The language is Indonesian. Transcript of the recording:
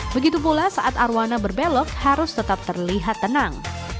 begitu pula saat arwana berbelok harus tetap terlihat tenang